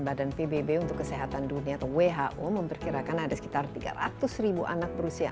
badan pbb untuk kesehatan dunia atau who memperkirakan ada sekitar tiga ratus ribu anak berusia